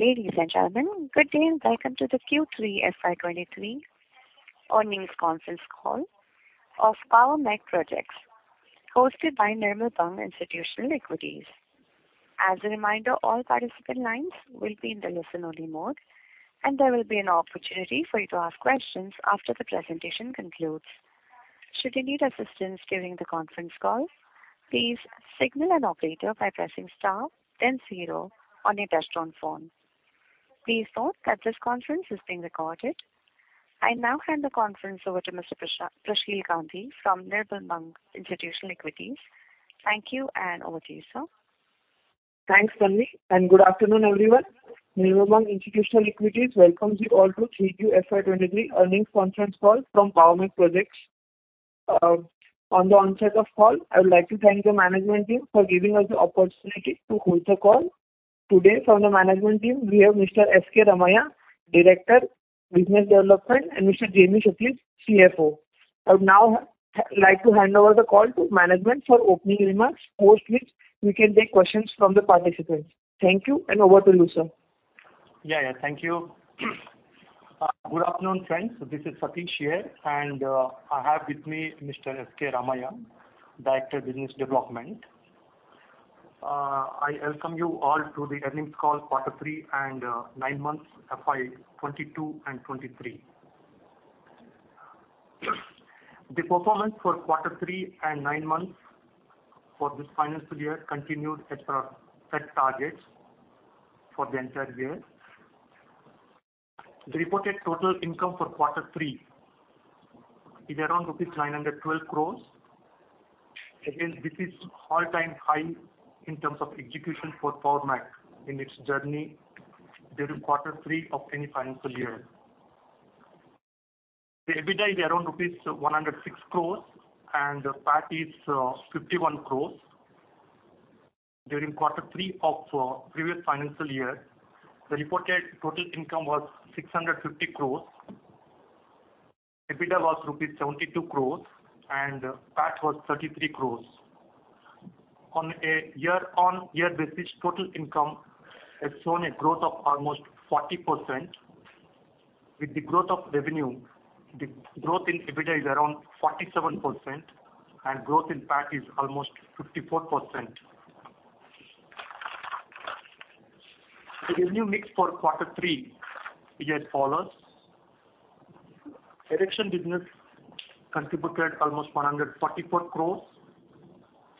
Ladies and gentlemen, good day, and welcome to the Q3 FY23 earnings conference call of Power Mech Projects, hosted by Nirmal Bang Institutional Equities. As a reminder, all participant lines will be in the listen-only mode, and there will be an opportunity for you to ask questions after the presentation concludes. Should you need assistance during the conference call, please signal an operator by pressing star, then zero on your touchtone phone. Please note that this conference is being recorded. I now hand the conference over to Mr. Prasheel Gandhi from Nirmal Bang Institutional Equities. Thank you, and over to you, sir. Thanks, Ramey, and good afternoon, everyone. Nirmal Bang Institutional Equities welcomes you all to 3Q FY 2023 earnings conference call from Power Mech Projects. On the onset of call, I would like to thank the management team for giving us the opportunity to hold the call. Today, from the management team, we have Mr. S. K. Ramaiah, Director, Business Development, and Mr. J. Satish, CFO. I would now like to hand over the call to management for opening remarks, post which we can take questions from the participants. Thank you, and over to you, sir. Yeah, yeah, thank you. Good afternoon, friends. This is Satish here, and I have with me Mr. S. K. Ramaiah, Director, Business Development. I welcome you all to the earnings call, quarter three and nine months, FY 2022 and 2023. The performance for quarter three and nine months for this financial year continued at our set targets for the entire year. The reported total income for quarter three is around rupees 912 crore. Again, this is all-time high in terms of execution for Power Mech in its journey during quarter three of any financial year. The EBITDA is around rupees 106 crore, and PAT is 51 crore. During quarter three of previous financial year, the reported total income was 650 crore, EBITDA was rupees 72 crore, and PAT was 33 crore. On a year-on-year basis, total income has shown a growth of almost 40%. With the growth of revenue, the growth in EBITDA is around 47%, and growth in PAT is almost 54%. The revenue mix for quarter three is as follows: erection business contributed almost 144 crore,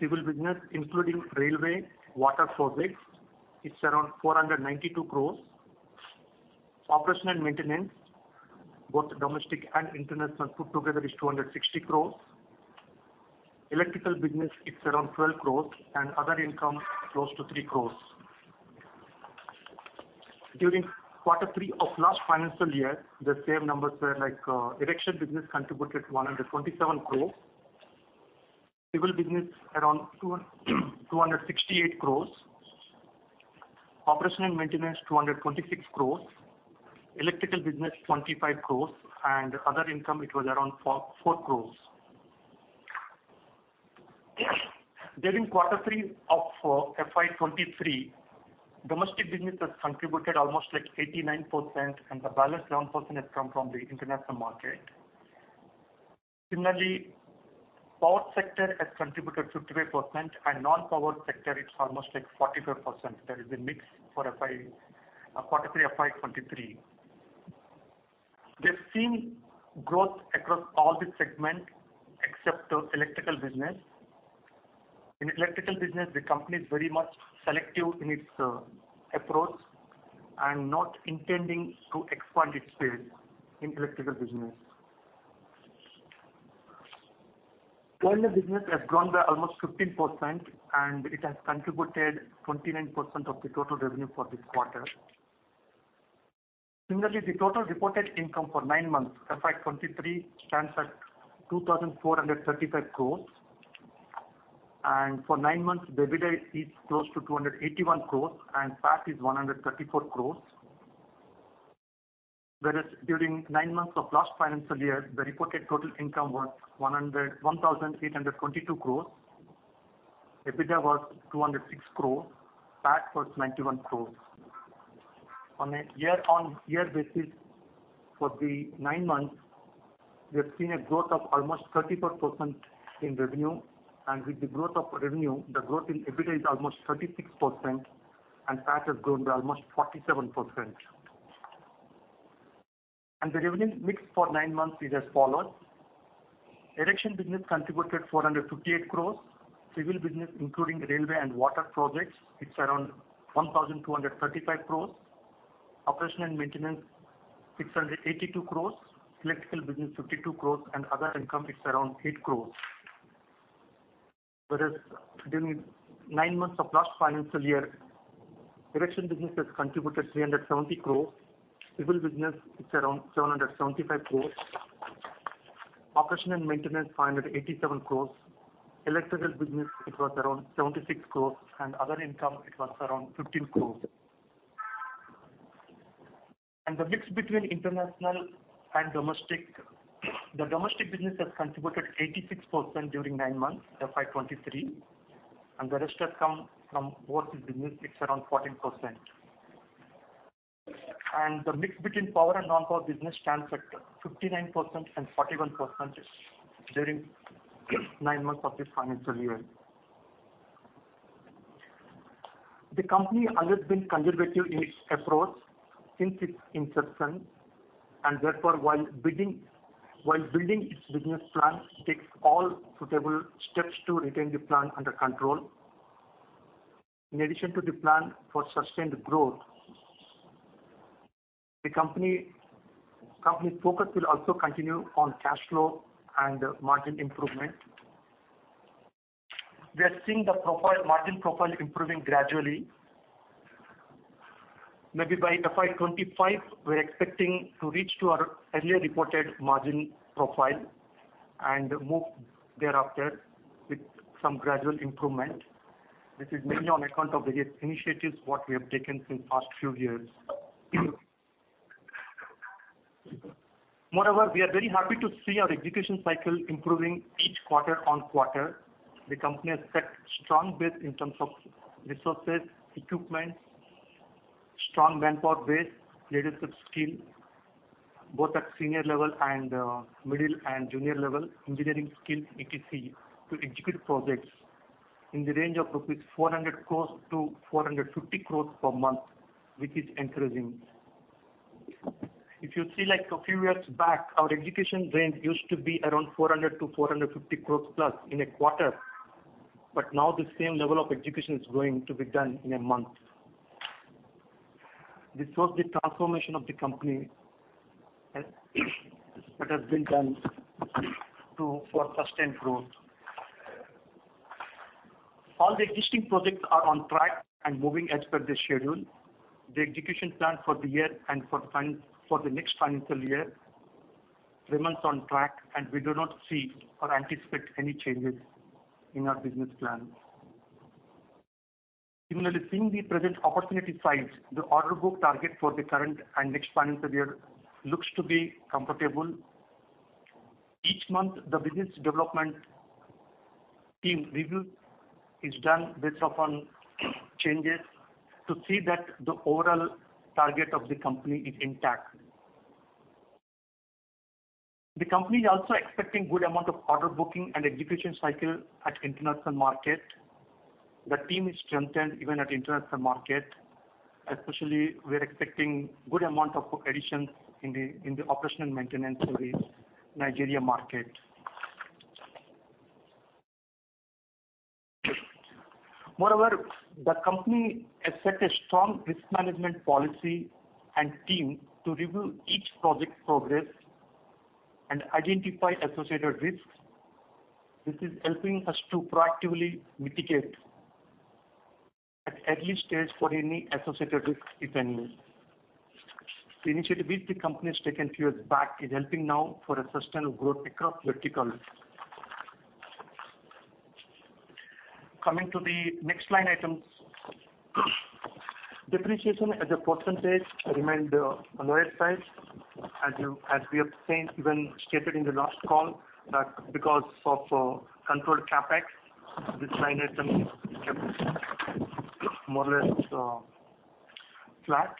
civil business, including railway, water projects, is around 492 crore. Operation and maintenance, both domestic and international, put together is 260 crore. Electrical business, it's around 12 crore, and other income, close to 3 crore. During quarter three of last financial year, the same numbers were like, erection business contributed 127 crore, civil business around 268 crore, operation and maintenance, 226 crore, electrical business, 25 crore, and other income, it was around 4 crore. During quarter three of FY 2023, domestic business has contributed almost like 89%, and the balance 9% has come from the international market. Similarly, power sector has contributed 58% and non-power sector, it's almost like 44%. That is the mix for FY quarter three FY 2023. We've seen growth across all the segment except the electrical business. In electrical business, the company is very much selective in its approach and not intending to expand its space in electrical business. Oil business has grown by almost 15%, and it has contributed 29% of the total revenue for this quarter. Similarly, the total reported income for nine months, FY 2023, stands at 2,435 crores. For nine months, the EBITDA is close to 281 crores, and PAT is 134 crores. Whereas, during nine months of last financial year, the reported total income was 101,822 crores. EBITDA was 206 crores, PAT was 91 crores. On a year-on-year basis, for the nine months, we have seen a growth of almost 34% in revenue, and with the growth of revenue, the growth in EBITDA is almost 36%, and PAT has grown by almost 47%. The revenue mix for nine months is as follows: erection business contributed 458 crores, civil business, including railway and water projects, it's around 1,235 crores, operation and maintenance, 682 crores, electrical business, 52 crores, and other income, it's around 8 crores. Whereas, during nine months of last financial year, erection business has contributed 370 crore, civil business, it's around 775 crore, operation and maintenance, 587 crore, electrical business, it was around 76 crore, and other income, it was around 15 crore. The mix between international and domestic. The domestic business has contributed 86% during nine months, FY 2023, and the rest has come from overseas business, it's around 14%. The mix between power and non-power business stands at 59% and 41% during nine months of this financial year. The company has always been conservative in its approach since its inception, and therefore, while building, while building its business plan, it takes all suitable steps to retain the plan under control. In addition to the plan for sustained growth, the company, company's focus will also continue on cash flow and margin improvement. We are seeing the profile, margin profile improving gradually. Maybe by FY 2025, we're expecting to reach to our earlier reported margin profile and move thereafter with some gradual improvement. This is mainly on account of the initiatives, what we have taken since past few years. Moreover, we are very happy to see our execution cycle improving each quarter-on-quarter. The company has set strong base in terms of resources, equipment, strong manpower base, leadership skill, both at senior level and middle and junior level, engineering skills, etc, to execute projects in the range of 400 crore-450 crore rupees per month, which is encouraging. If you see, like, a few years back, our execution range used to be around 400 crore-450 crore plus in a quarter, but now the same level of execution is going to be done in a month. This was the transformation of the company, and it has been done for sustained growth. All the existing projects are on track and moving as per the schedule. The execution plan for the year and for the next financial year remains on track, and we do not see or anticipate any changes in our business plan. Similarly, seeing the present opportunity size, the order book target for the current and next financial year looks to be comfortable. Each month, the business development team review is done based upon changes to see that the overall target of the company is intact. The company is also expecting good amount of order booking and execution cycle at international market. The team is strengthened even at international market. Especially, we are expecting good amount of book additions in the, in the operational maintenance service, Nigeria market. Moreover, the company has set a strong risk management policy and team to review each project progress and identify associated risks. This is helping us to proactively mitigate at early stage for any associated risk, if any. The initiative which the company has taken few years back, is helping now for a sustained growth pickup vertically. Coming to the next line items. Depreciation as a percentage remained, as we have seen, even stated in the last call, that because of, controlled CapEx, this line item kept more or less, flat.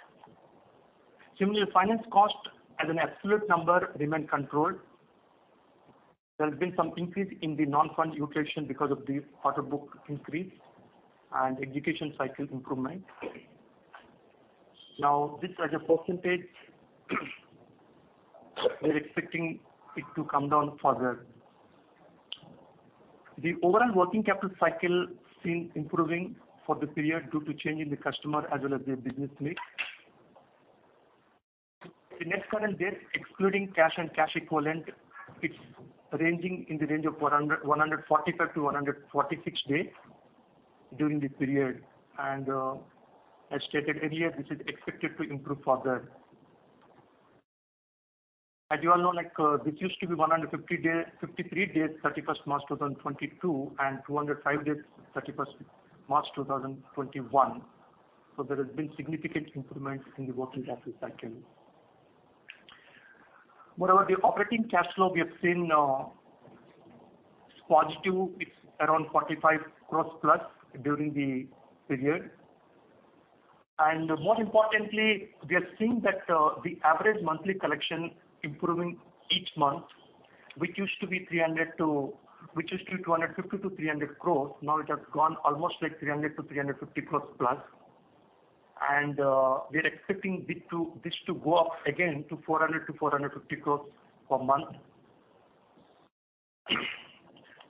Similarly, finance cost as an absolute number remained controlled. There has been some increase in the non-fund utilization because of the order book increase and execution cycle improvement. Now, this as a percentage, we're expecting it to come down further. The overall working capital cycle seem improving for the period due to change in the customer as well as their business mix. The net current debt, excluding cash and cash equivalent, it's ranging in the range of 145-146 days during this period. And, as stated earlier, this is expected to improve further. As you all know, like, this used to be 153 days, March 31, 2022, and 205 days, March 31, 2021. So there has been significant improvement in the working capital cycle. Moreover, the operating cash flow we have seen is positive. It's around 45 crore+ during the period. More importantly, we are seeing that, the average monthly collection improving each month, which used to be 250 crore-300 crore, now it has gone almost like 300 crore-350+. We are expecting this to, this to go up again to four hundred to four hundred and fifty crores per month,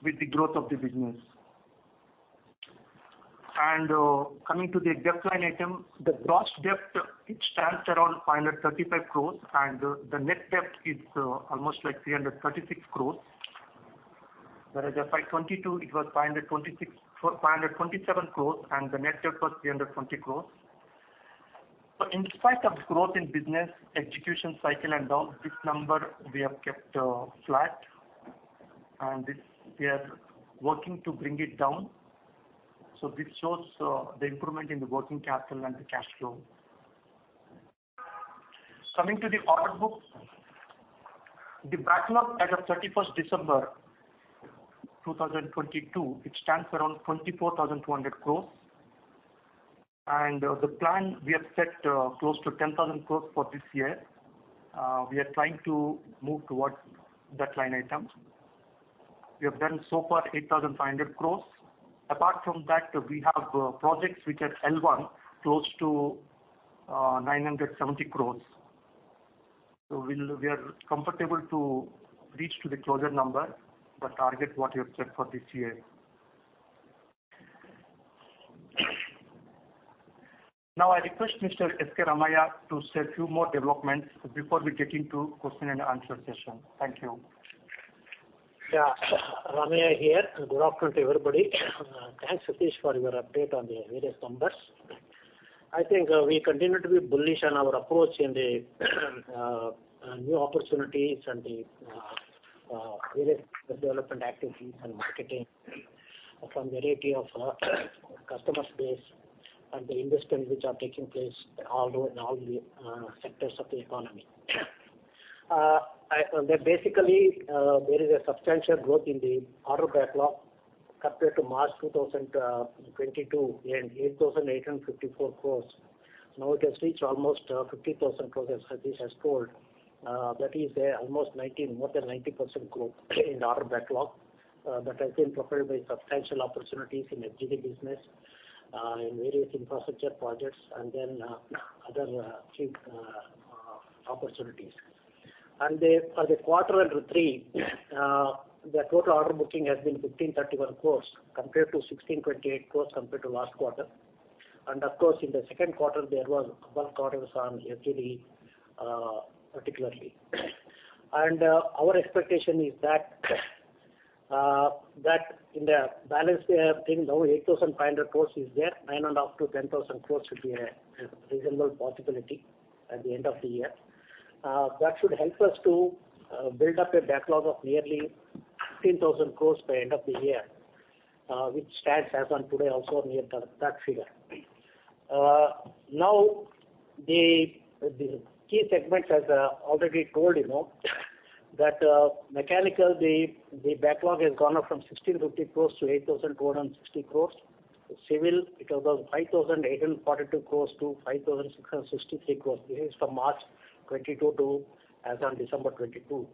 with the growth of the business. Coming to the debt line item, the gross debt, it stands around 536 crores, and the net debt is, almost like 336 crores. Whereas in FY 2022, it was 526 crore-527 crore, and the net debt was 320 crores. So in spite of growth in business, execution cycle and all, this number we have kept flat, and this, we are working to bring it down, so this shows the improvement in the working capital and the cash flow. Coming to the order book, the backlog as of December 31st 2022, it stands around 24,200 crore. The plan we have set close to 10,000 crore for this year. We are trying to move towards that line item. We have done so far 8,500 crore. Apart from that, we have projects which are L1, close to 970 crore. So we are comfortable to reach to the closure number, the target what we have set for this year. Now, I request Mr. S. K. Ramaiah, to say a few more developments before we get into question and answer session. Thank you. Yeah, Ramaiah here. Good afternoon to everybody. Thanks, Satish, for your update on the various numbers. I think we continue to be bullish on our approach in the new opportunities and the various development activities and marketing, from variety of customer base, and the investments which are taking place although in all the sectors of the economy. I then basically there is a substantial growth in the order backlog compared to March 2022, and 8,854 crore. Now it has reached almost 50,000 crore, as Satish has told. That is almost ninety-- more than 90% growth in order backlog, that has been propelled by substantial opportunities in FGD business, in various infrastructure projects, and then other few opportunities. As a quarter under three, the total order booking has been 1,531 crore compared to 1,628 crore, compared to last quarter. Of course, in the second quarter, there was bulk orders on FGD, particularly. Our expectation is that in the balance we have now, 8,500 crore is there, nine and up to 10,000 crore should be a reasonable possibility at the end of the year. That should help us to build up a backlog of nearly 15,000 crore by end of the year, which stands as on today also near that figure. Now, the key segments, as already told you know, that mechanical, the backlog has gone up from 1,650 crore to 8,260 crore. Civil, it was 5,842 crore to 5,663 crore. This is from March 2022 to as on December 2022.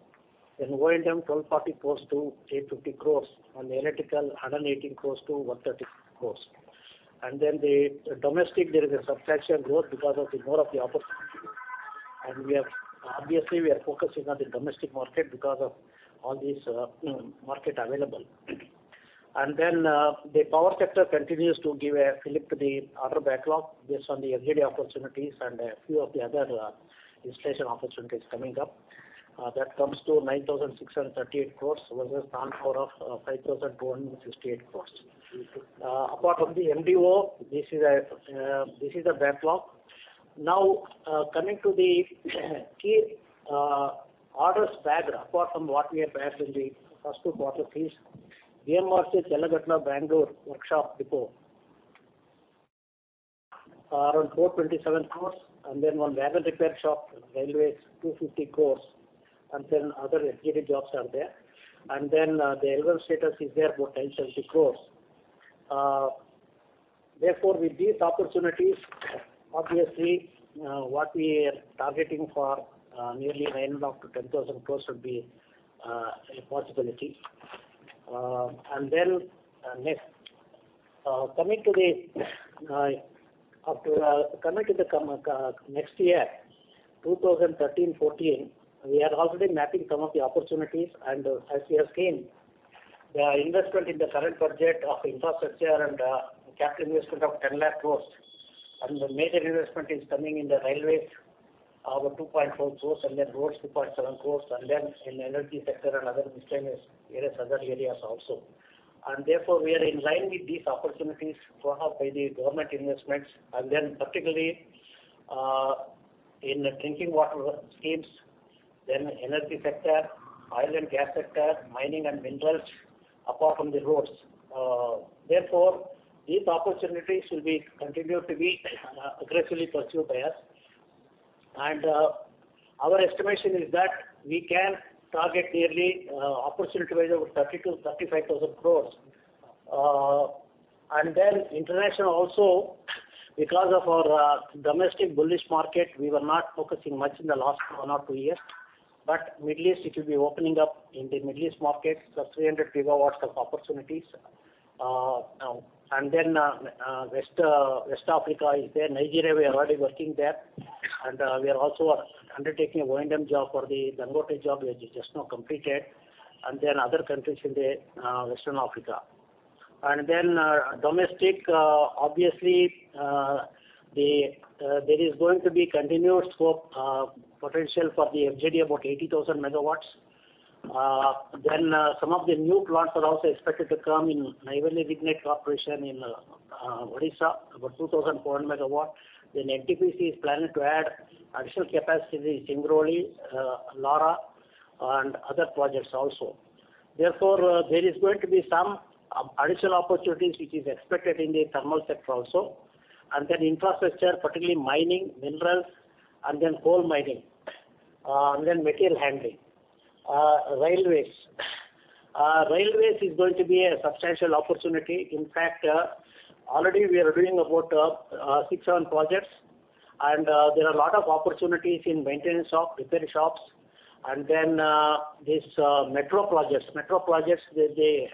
Then O&M, 1,240 crore to 850 crore, and electrical, 118 crore to 130 crore. And then the domestic, there is a substantial growth because of the more of the opportunities. And we are obviously, we are focusing on the domestic market because of all these, market available. And then, the power sector continues to give a fillip to the order backlog based on the FGD opportunities and a few of the other, installation opportunities coming up. That comes to 9,638 crore, versus non-core of, 5,268 crores. Apart from the MDO, this is a, this is a backlog. Now, coming to the key orders bag, apart from what we have shared in the first two quarter fees, BMRCL Challaghatta-Bangalore workshop depot, around 427 crore, and then one wagon repair shop, Railways, 250 crore, and then other FGD jobs are there. The L1 status is there for 1,070 crore. Therefore, with these opportunities, obviously, what we are targeting for, nearly 9,000 crore up to 10,000 crore should be a possibility. Next, coming to the, after, coming to the com, next year, 2013, 2014, we are already mapping some of the opportunities. As you have seen, the investment in the current budget of infrastructure and capital investment of INR 10 lakh crore, and the major investment is coming in the railways, over 2.4 crore, and then roads, 2.7 crore, and then in energy sector and other miscellaneous areas, other areas also. Therefore, we are in line with these opportunities brought up by the government investments, and then particularly in the drinking water schemes, then energy sector, oil and gas sector, mining and minerals, apart from the roads. Therefore, these opportunities will continue to be aggressively pursued by us. Our estimation is that we can target nearly, opportunity-wise, over 30,000 crore-35,000 crore. International also, because of our domestic bullish market, we were not focusing much in the last one or two years. Middle East, it will be opening up in the Middle East markets, plus 300 GW of opportunities. West Africa is there. Nigeria, we are already working there. We are also undertaking an O&M job for the Dangote job, which is just now completed, and then other countries in Western Africa. Domestic, obviously, there is going to be continued scope, potential for the FGD, about 80,000 MW. Some of the new plants are also expected to come in Neyveli Lignite Corporation in Odisha, about 2,400 MW. NTPC is planning to add additional capacity in Singrauli, Lara and other projects also. Therefore, there is going to be some additional opportunities which is expected in the thermal sector also, and then infrastructure, particularly mining, minerals, and then coal mining, and then material handling. Railways. Railways is going to be a substantial opportunity. In fact, already we are doing about 6, 7 projects, and there are a lot of opportunities in maintenance shop, repair shops, and then these metro projects. Metro projects, they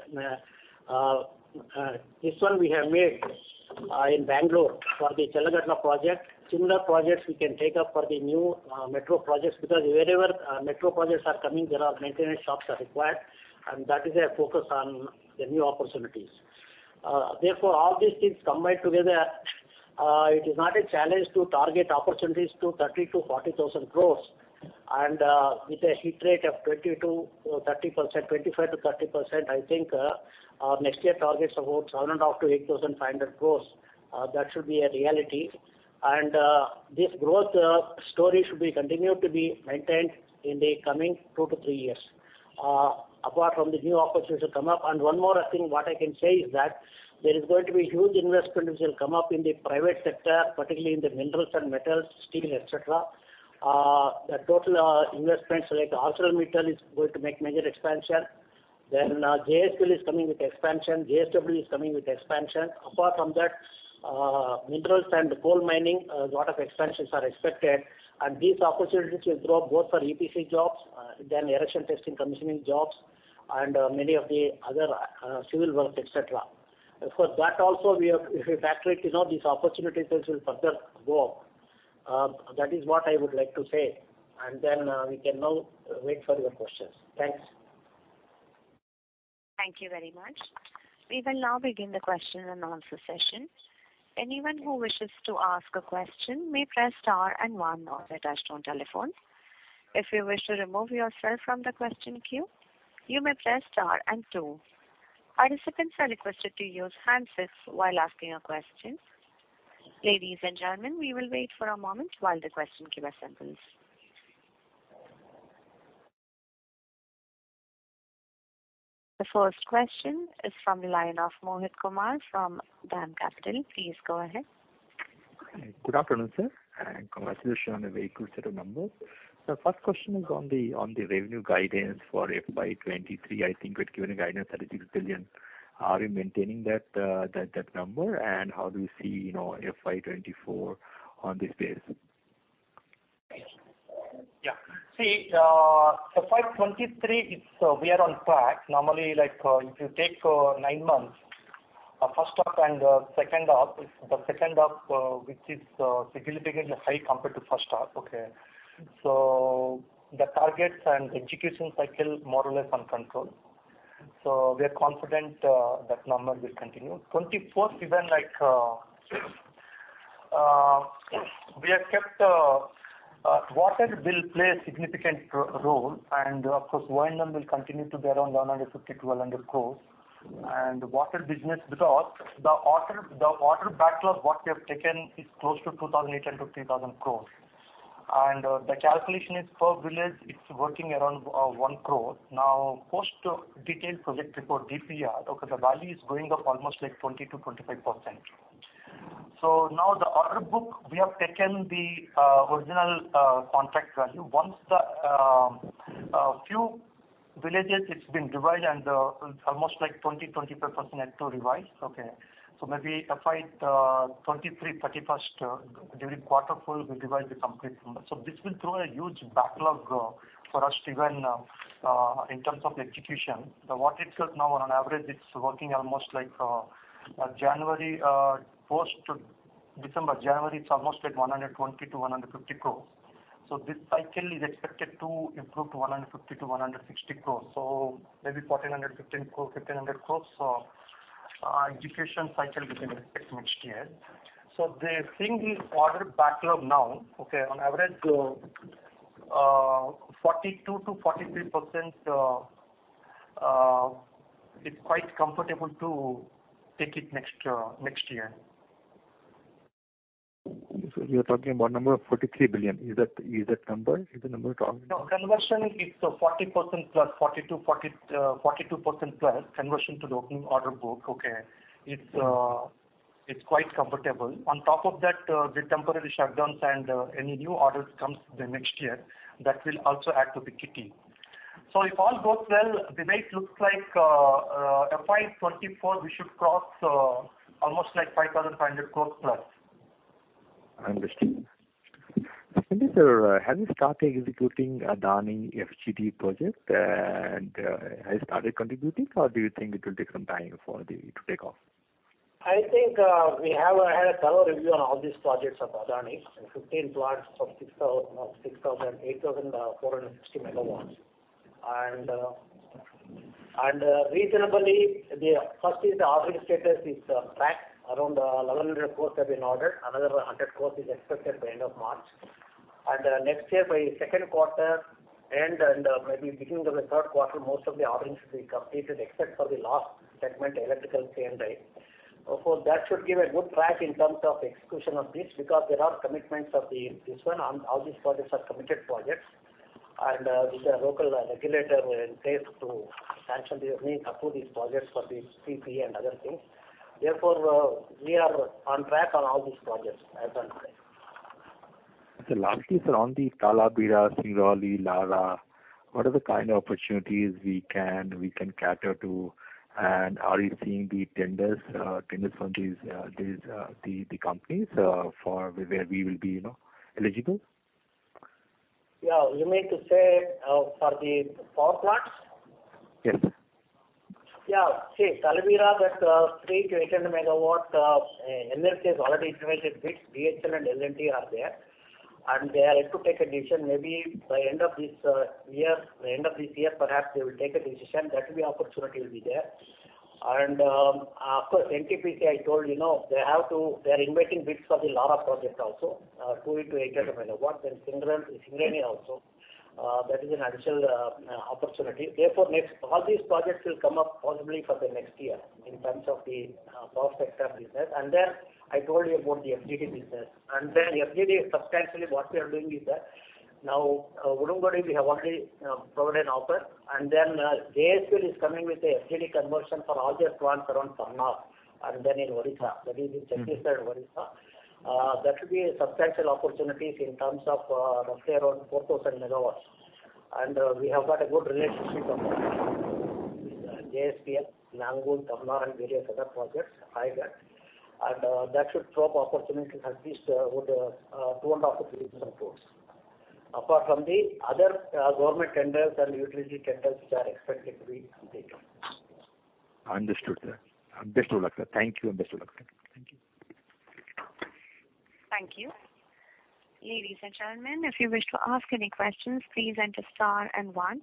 this one we have made in Bangalore for the Bellandur project. Similar projects we can take up for the new metro projects, because wherever metro projects are coming, there are maintenance shops are required, and that is a focus on the new opportunities. Therefore, all these things combined together, it is not a challenge to target opportunities to 30,000 crore-40,000 crore. And, with a hit rate of 20%-30%, 25%-30%, I think, our next year target is about 7,500 crore-8,500 crore. That should be a reality. And, this growth story should be continued to be maintained in the coming 2-3 years, apart from the new opportunities to come up. And one more, I think, what I can say is that there is going to be huge investment which will come up in the private sector, particularly in the minerals and metals, steel, et cetera. The total investments, like ArcelorMittal, is going to make major expansion. Then, JSL is coming with expansion, JSW is coming with expansion. Apart from that, minerals and coal mining, a lot of expansions are expected, and these opportunities will grow both for EPC jobs, then erection, testing, commissioning jobs, and many of the other civil works, et cetera. Of course, that also we have, if we factor it, you know, these opportunities will further go up. That is what I would like to say. And then, we can now wait for your questions. Thanks. Thank you very much. We will now begin the question and answer session. Anyone who wishes to ask a question may press star and one on your touchtone telephone. If you wish to remove yourself from the question queue, you may press star and two. Participants are requested to use hands-free while asking a question. Ladies and gentlemen, we will wait for a moment while the question queue assembles. The first question is from the line of Mohit Kumar from DAM Capital. Please, go ahead. Good afternoon, sir, and congratulations on a very good set of numbers. The first question is on the revenue guidance for FY 2023. I think we're given a guidance, 36 billion. Are you maintaining that number? And how do you see, you know, FY 2024 on this base? Yeah. See, so FY 2023, it's, we are on track. Normally, like, if you take nine months, first half and second half, the second half, which is significantly high compared to first half, okay? The targets and execution cycle more or less on control. We are confident that number will continue. 2024, even like, we have kept, water will play a significant role, and of course, O&M will continue to be around 150 crore-200 crore. Water business, because the order, the order backlog what we have taken is close to 2,800 crore-3,000 crore. The calculation is per village, it's working around 1 crore. Now, post detailed project report, DPR, okay, the value is going up almost like 20%-25%. Now, the order book, we have taken the original contract value. Once the, a few villages, it's been revised and almost like 20%-25% have to revise, okay? Maybe FY 2023, 31st, during quarter four, we revise the complete number. This will throw a huge backlog for us to when, in terms of execution. The water itself now on average, it's working almost like January, post to December, January, it's almost at 120 crore-150 crore. This cycle is expected to improve to 150 crore-160 crore. Maybe 1,400, 1,500 crore, 1,500 crore. Execution cycle between next year. The thing is order backlog now, on average, 42%-43%, it's quite comfortable to take it next year. So you're talking about number of 43 billion. Is that, is that number? Is the number talking- No, conversion, it's a 40%+, 42%+, 40%+, 42%+ conversion to the opening order book, okay? It's quite comfortable. On top of that, the temporary shutdowns and any new orders comes the next year, that will also add to the kitty. So if all goes well, the rate looks like FY 2024, we should cross almost like 5,500 crore+. Understood. Sir, have you started executing Adani FGD project, and has it started contributing, or do you think it will take some time for it to take off? I think we have had a thorough review on all these projects of Adani. Fifteen plots of 6,000, 8,000, 460 MW. Reasonably, the first is the ordering status is tracked. Around 1,100 crore have been ordered. Another 100 crore is expected by end of March. Next year, by second quarter end and maybe beginning of the third quarter, most of the orders will be completed, except for the last segment, electrical C&I. Of course, that should give a good track in terms of execution of this, because there are commitments of this one, and all these projects are committed projects... with the local regulator in place to sanction these, approve these projects for the CP and other things. Therefore, we are on track on all these projects, as I said. So lastly, sir, on the Talabira, Singrauli, Lara, what are the kind of opportunities we can cater to? And are you seeing the tenders from these, the companies for where we will be, you know, eligible? Yeah. You mean to say for the power plants? Yes. Yeah. See, Talabira, that 3x800 MW, NLC India has already invited bids. BHEL and L&T are there, and they are yet to take a decision. Maybe by end of this year, perhaps they will take a decision. That opportunity will be there. Of course, NTPC, I told you, you know, they are inviting bids for the Lara project also, 2x800 MW, then Singareni also. That is an additional opportunity. Therefore, next, all these projects will come up possibly for the next year in terms of the power sector business. I told you about the FGD business. FGD, substantially, what we are doing is that now, Udangudi, we have already provided an offer. JSPL is coming with a FGD conversion for all their plants around Tamnar, and then in Orissa. That is in Chhattisgarh and Orissa. That should be a substantial opportunities in terms of, roughly around 4,000 MW. We have got a good relationship with the JSPL, Angul, Tamnar, and various other projects, higher. That should throw up opportunity at least, about, 2.5 billion crore-3 billion crores. Apart from the other government tenders and utility tenders, which are expected to be completed. Understood, sir. Understood. Thank you, understood. Thank you. Thank you. Ladies and gentlemen, if you wish to ask any questions, please enter star and one.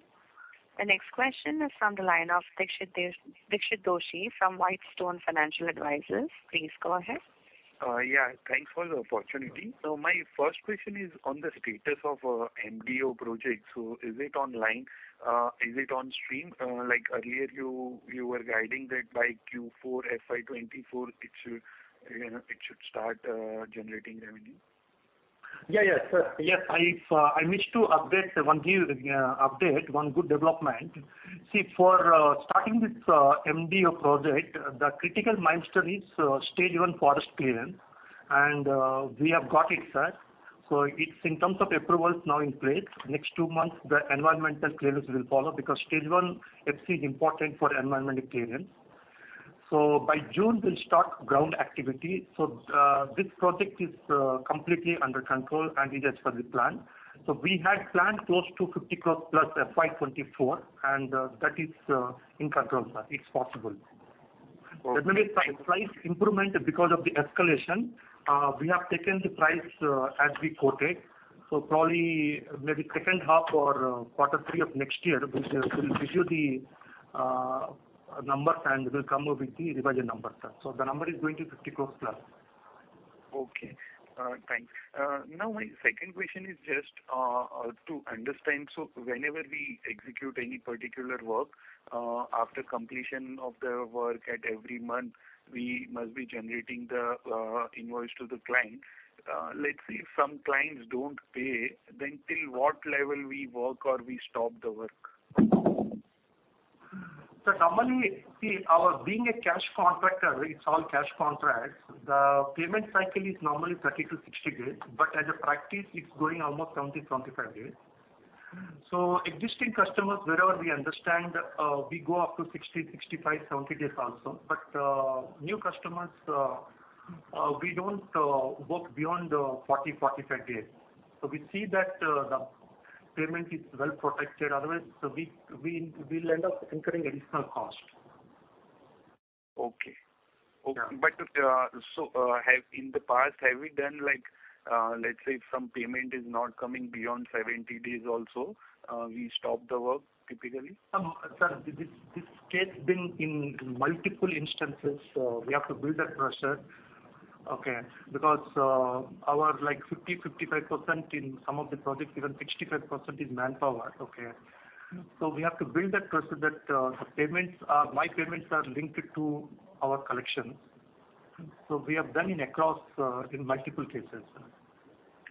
The next question is from the line of Dixit Doshi from WhiteStone Financial Advisors. Please go ahead. Yeah, thanks for the opportunity. So my first question is on the status of, MDO project. So is it online? Is it on stream? Like earlier, you, you were guiding that by Q4 FY 2024, it should, you know, it should start, generating revenue. Yeah, yes. Yes, I wish to update one good development. See, for starting this MDO project, the critical milestone is stage one forest clearance, and we have got it, sir. So it's in terms of approvals now in place. Next two months, the environmental clearance will follow, because stage one FC is important for environmental clearance. So by June, we'll start ground activity. So this project is completely under control and it is as per the plan. So we had planned close to 50 crore+ FY 2024, and that is in control, sir. It's possible. Okay. There may be price, price improvement because of the escalation. We have taken the price as we quoted. So probably, maybe second half or quarter three of next year, we'll, we'll give you the numbers, and we'll come up with the revised numbers, sir. So the number is going to INR 50 crores+. Okay, thanks. Now, my second question is just to understand. So whenever we execute any particular work, after completion of the work at every month, we must be generating the invoice to the client. Let's say some clients don't pay, then till what level we work or we stop the work? So normally, see, our being a cash contractor, it's all cash contracts. The payment cycle is normally 30-60 days, but as a practice, it's going almost 70, 75 days. So existing customers, wherever we understand, we go up to 60, 65, 70 days also. But, new customers, we don't work beyond 40, 45 days. So we see that, the payment is well protected. Otherwise, we, we'll end up incurring additional cost. Okay. Yeah. So, in the past, have we done like, let's say some payment is not coming beyond 70 days also, we stop the work typically? Sir, this case been in multiple instances. We have to build that pressure. Okay. Because, our like 50%, 55% in some of the projects, even 65%, is manpower, okay? Mm-hmm. So we have to build that trust that my payments are linked to our collection. So we have done it across, in multiple cases.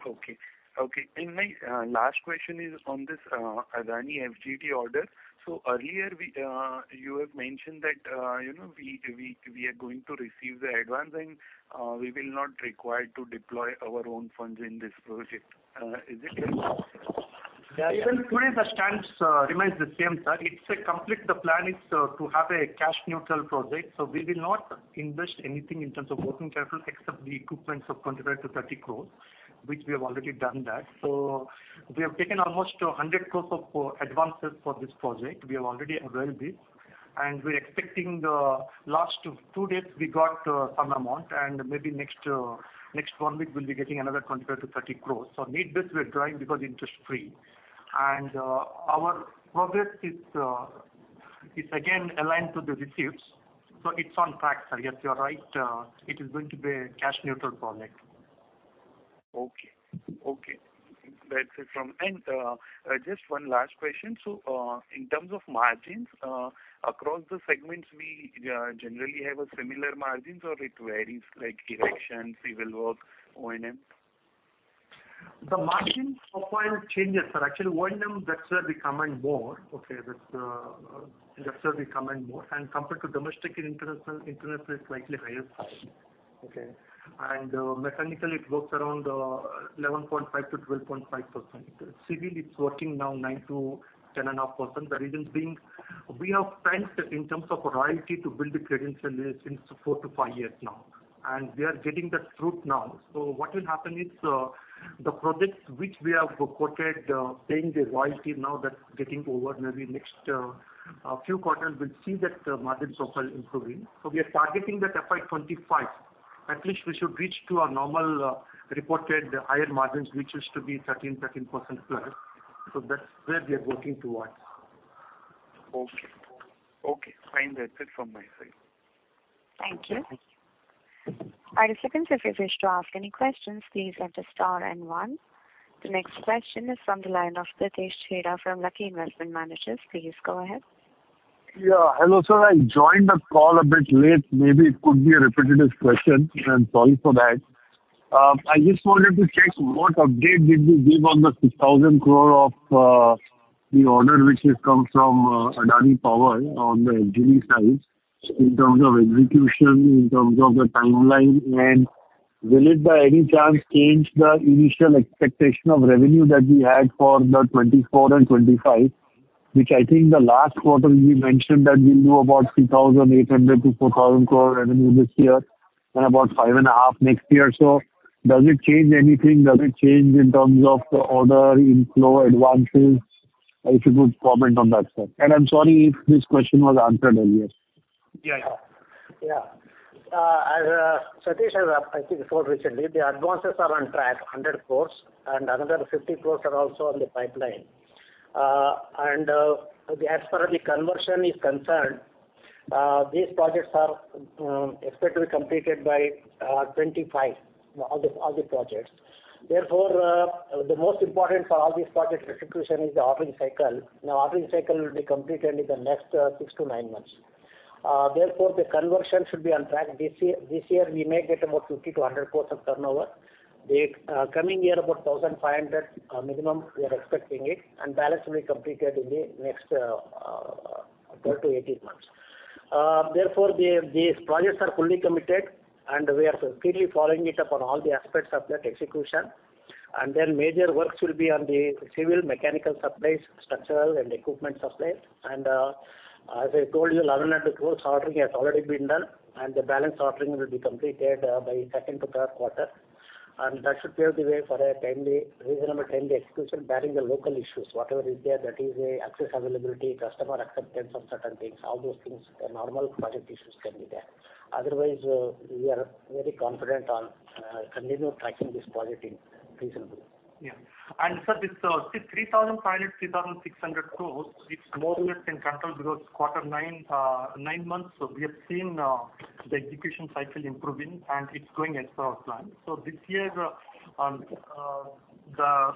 Okay. Okay, and my last question is on this Adani FGD order. So earlier, you had mentioned that, you know, we are going to receive the advance, and we will not require to deploy our own funds in this project. Is it still...? Yeah, even today, the stance remains the same, sir. It's a complete—the plan is to have a cash neutral project. So we will not invest anything in terms of working capital, except the equipments of 25 crore-30 crore, which we have already done that. So we have taken almost 100 crore of advances for this project. We have already availed it, and we're expecting the last two days, we got some amount, and maybe next one week, we'll be getting another 25 crore-30 crore. So net this, we're drawing because interest-free. And our progress is again aligned to the receipts, so it's on track, sir. Yes, you are right, it is going to be a cash neutral project. Okay. Okay, that's it from... And, just one last question: so, in terms of margins, across the segments, we, generally have a similar margins, or it varies, like erection, civil work, O&M? The margin of oil changes, sir. Actually, O&M, that's where we command more, okay, that's, that's where we command more, and compared to domestic and international, international is slightly higher, okay? And, mechanically, it works around 11.5%-12.5%. Civil, it's working now 9%-10.5%. The reason being, we have spent in terms of royalty to build the credential list in four to five years now, and we are getting that fruit now. What will happen is, the projects which we have reported, paying the royalty now, that's getting over. Maybe next, a few quarters, we'll see that the margins of oil improving. We are targeting that FY 2025, at least we should reach to our normal, reported higher margins, which is to be 13%, +13%. That's where we are working towards. Okay. Okay, fine. That's it from my side. Thank you. Participants, if you wish to ask any questions, please enter star and one. The next question is from the line of Pritesh Chheda from Lucky Investment Managers. Please go ahead. Yeah. Hello, sir. I joined the call a bit late. Maybe it could be a repetitive question, and I'm sorry for that. I just wanted to check what update did you give on the 6,000 crore of the order which has come from Adani Power on the engineering side, in terms of execution, in terms of the timeline? And will it, by any chance, change the initial expectation of revenue that we had for 2024 and 2025, which I think the last quarter we mentioned that we knew about 3,800 crore-4,000 crore revenue this year and about 5,500 crore next year. So does it change anything? Does it change in terms of the order inflow, advances? If you could comment on that, sir. And I'm sorry if this question was answered earlier. Yeah. As Satish has asked, I think, before recently, the advances are on track, 100 crore, and another 50 crore are also on the pipeline. And as far as the conversion is concerned, these projects are expected to be completed by 2025, all the projects. Therefore, the most important for all these projects execution is the ordering cycle. Now, ordering cycle will be completed in the next six to nine months. Therefore, the conversion should be on track. This year, this year, we may get about 50 crore-100 crore of turnover. The coming year, about 1,500 crore, minimum, we are expecting it, and balance will be completed in the next 12-18 months. Therefore, these projects are fully committed, and we are strictly following it up on all the aspects of that execution. Then major works will be on the civil, mechanical supplies, structural and equipment supplies. As I told you, 1,100 crore ordering has already been done, and the balance ordering will be completed by second-to-third quarter. That should clear the way for a timely, reasonable timely execution, barring the local issues, whatever is there, that is access availability, customer acceptance of certain things, all those things, normal project issues can be there. Otherwise, we are very confident on continue tracking this project in reasonable. Yeah. And sir, this, 3,500 crore-3,600 crore, it's more or less in control because quarter nine, nine months, so we have seen, the execution cycle improving, and it's going as per our plan. So this year, the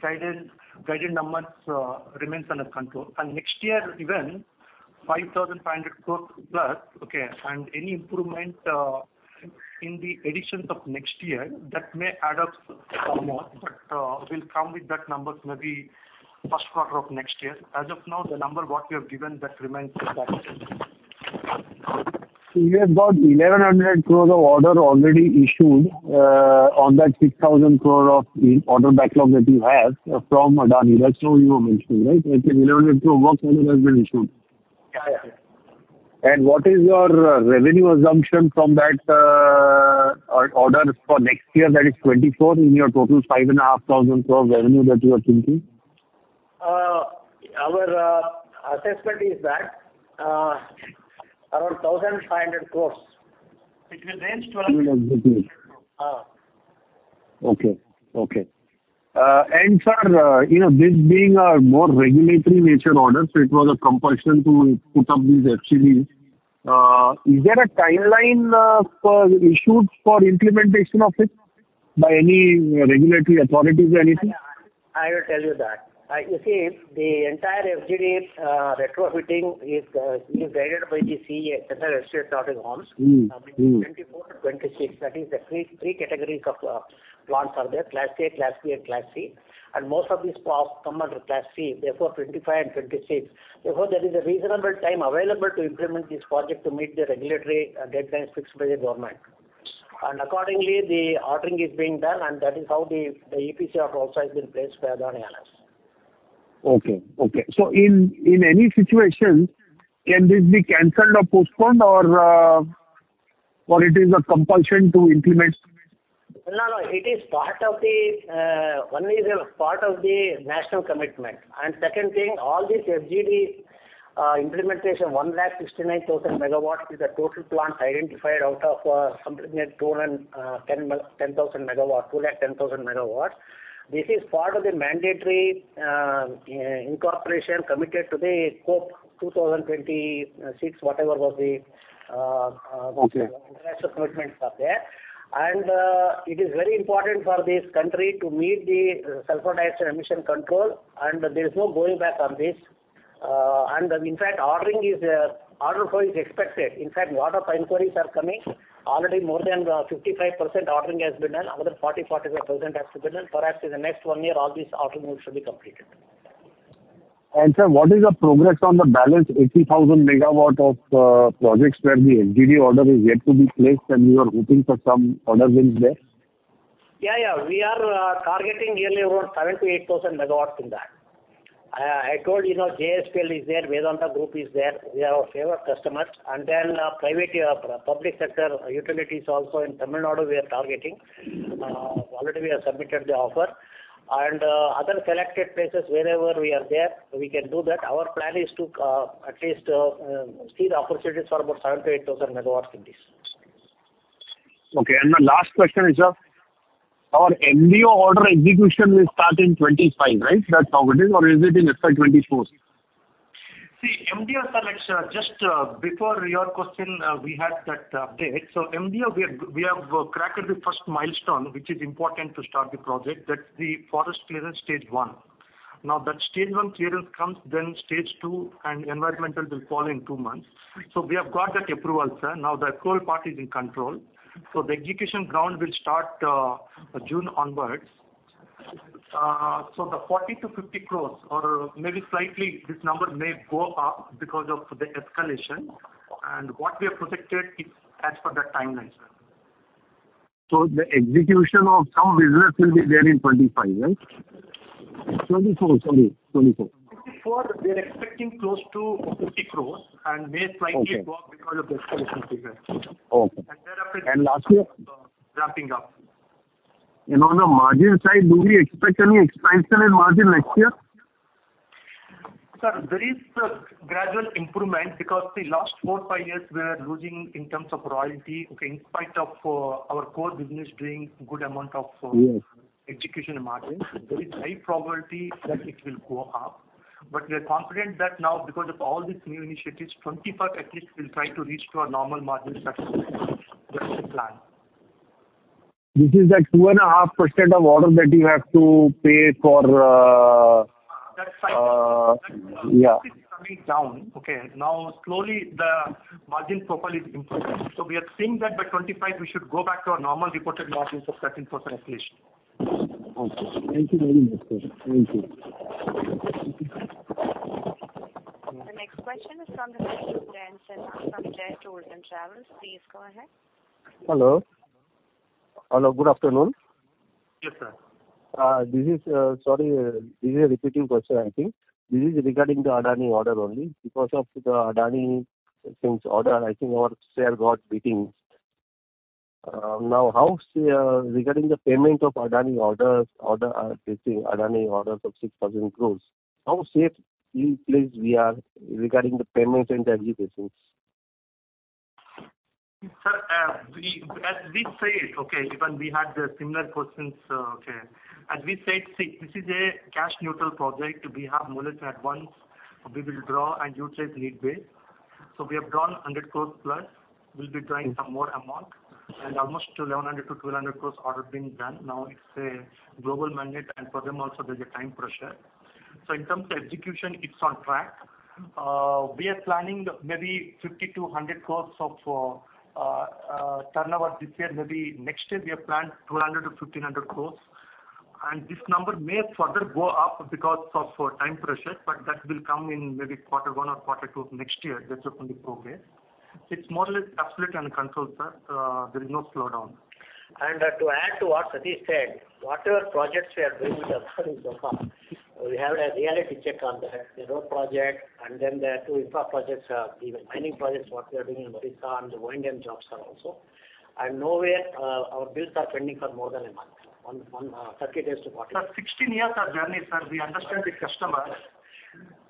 guided, guided numbers, remains under control. And next year, even five thousand five hundred crores plus, okay, and any improvement, in the additions of next year, that may add up some more, but, we'll come with that numbers maybe first quarter of next year. As of now, the number what we have given, that remains the same. So you have got 1,100 crore of order already issued, on that 6,000 crore of the order backlog that you have from Adani. That's what you have mentioned, right? It's 1,100 crore work order has been issued. Yeah, yeah. What is your revenue assumption from that order for next year, that is 2024, in your total 5,500 crore revenue that you are thinking? Our assessment is that around 1,500 crore. It will range to- Okay. Okay. And sir, you know, this being a more regulatory nature order, so it was a compulsion to put up these FGDs. Is there a timeline for its implementation by any regulatory authorities or anything? I will tell you that. You see, the entire FGD retrofitting is guided by the CE, Central Pollution Control Board. Mm-hmm, mm-hmm. Between 24-26, that is the three, three categories of plants are there, Class A, Class B, and Class C. Most of these plants come under Class C, therefore 25 and 25. Therefore, there is a reasonable time available to implement this project to meet the regulatory deadlines fixed by the government. Accordingly, the ordering is being done, and that is how the EPC have also has been placed by Adani Power. Okay, okay. So in any situation, can this be canceled or postponed or, or it is a compulsion to implement? No, no. It is part of the national commitment. And second thing, all these FGD implementation, 169,000 MW, is the total plants identified out of something like 210,000 MW, 210,000 MW. This is part of the mandatory incorporation committed to the COP 2026, whatever was the- Okay. International commitments are there. It is very important for this country to meet the sulfur dioxide emission control, and there is no going back on this. In fact, order flow is expected. In fact, a lot of inquiries are coming. Already more than 55% ordering has been done. Another 40%-45% has to be done. Perhaps in the next one year, all these order moves should be completed. Sir, what is the progress on the balance 80,000 MW of projects where the FGD order is yet to be placed, and you are hoping for some orders in there? Yeah, yeah. We are targeting yearly around 7,000 MW-8,000 MW in that. I, I told you know, JSPL is there, Vedanta Group is there. They are our favorite customers. And then, private, public sector utilities also in Tammar, we are targeting. Already we have submitted the offer. And, other selected places, wherever we are there, we can do that. Our plan is to, at least, see the opportunities for about 7,000 MW-8,000 MW in this. Okay, and my last question is, sir, our MDO order execution will start in 2025, right? That's how it is, or is it in FY 2024? See, MDO, sir, just before your question, we had that update. So MDO, we have cracked the first milestone, which is important to start the project. That's the forest clearance stage one. Now, that stage one clearance comes, then stage two and environmental will follow in two months. So we have got that approval, sir. Now, the coal part is in control. So the execution ground will start June onwards. So the 40 crore-50 crore, or maybe slightly, this number may go up because of the escalation. And what we have protected is as per the timeline, sir. So the execution of some business will be there in 2025, right? 2024, sorry, 2024. 2024, we are expecting close to 50 crore and may slightly go up because of the escalation figure. Oh, and last year? Ramping up. On the margin side, do we expect any expansion in margin next year? Sir, there is a gradual improvement because the last four, five years, we are losing in terms of royalty, okay, in spite of, our core business doing good amount of- Yes. Execution margin. There is high probability that it will go up. But we are confident that now, because of all these new initiatives, 25, at least, we'll try to reach to a normal margin, that's, that's the plan. This is that 2.5% of order that you have to pay for, That's right. Uh, yeah. It's coming down, okay? Now, slowly, the margin profile is improving. So we are seeing that by 25, we should go back to our normal reported margins of 13% roughly. Okay. Thank you very much, sir. Thank you. The next question is from the line of Jensen from Jay Tours and Travels. Please go ahead. Hello. Hello, good afternoon. Yes, sir. Sorry, this is a repeating question, I think. This is regarding the Adani order only. Because of the Adani, since order, I think our share got beating. Now, how, regarding the payment of Adani orders, order, this Adani order of 6,000 crore, how safe in place we are regarding the payment and the executions? Sir, as we said, even we had the similar questions. As we said, see, this is a cash neutral project. We have mulled it at once. We will draw and utilize need-based. We have drawn 100 crore+. We'll be drawing some more amount, and almost 1,100 crore-1,200 crore order being done. Now, it's a global mandate, and for them also, there's a time pressure. In terms of execution, it's on track. We are planning maybe 50 crore-100 crore of turnover this year. Maybe next year, we have planned 200 core-INR 1,500 crore, and this number may further go up because of time pressure, but that will come in maybe quarter one or quarter two of next year. That's definitely okay. It's more or less absolute and controlled, sir. There is no slowdown. To add to what Satish said, whatever projects we are doing with Adani so far, we have a reality check on the road project, and then the two infra projects, even mining projects, what we are doing in Odisha and the wind energy jobs are also. Nowhere, our bills are pending for more than a month, sir. 30-40 days. Sir, 16 years our journey, sir, we understand the customer.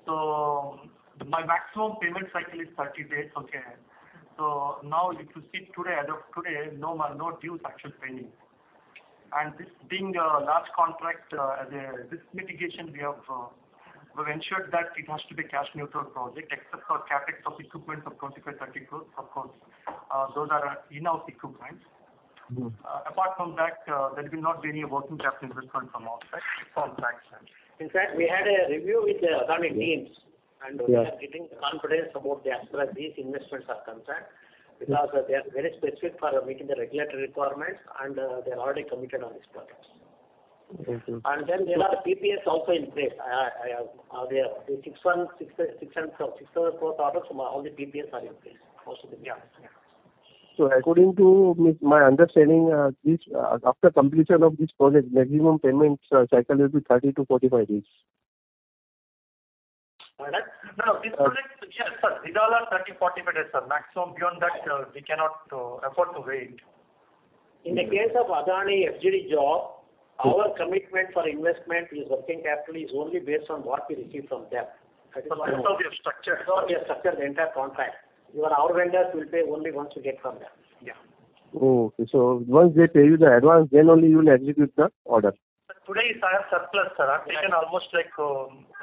So my maximum payment cycle is 30 days, okay? So now, if you see today, as of today, no dues actually pending. And this being a large contract, the risk mitigation, we have, we've ensured that it has to be cash neutral project, except for CapEx of equipment of INR 25 crore-INR 30 crore. Of course, those are in-house equipments. Mm-hmm. Apart from that, there will not be any working capital investment from our side, from our side. In fact, we had a review with the Adani teams- Yes. And we are getting confidence about as far as these investments are concerned, because they are very specific for meeting the regulatory requirements, and they are already committed on these projects. Thank you. There are PPAs also in place. I, I, the 6, 1, 6, 600, 6,000, 4 orders, all the PPAs are in place. Also, yeah. According to my understanding, this after completion of this project, maximum payment cycle will be 30-45 days. No, this project, yes, sir. These all are 30-45 days, sir. Maximum beyond that, we cannot afford to wait. In the case of Adani FGD job, our commitment for investment is working capital is only based on what we receive from them. That is how we have structured. So we have structured the entire contract. Even our vendors will pay only once you get from them. Yeah. Oh, okay. So once they pay you the advance, then only you will execute the order? Sir, today is surplus, sir. We can almost like